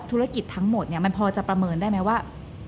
ธุรกิจทั้งหมดมันพอจะประเมินได้ไหมว่า